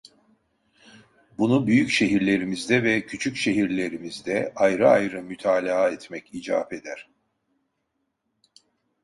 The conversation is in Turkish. Bunu büyük şehirlerimizde ve küçük şehirlerimizde ayrı ayrı mütalaa etmek icap eder.